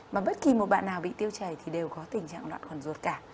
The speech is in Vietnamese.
mà bất kỳ một bạn nào bị tiêu chảy thì đều có tình trạng đoạn khuẩn ruột cả